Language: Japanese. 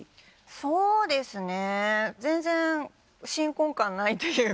そうですね全然新婚感ないというか。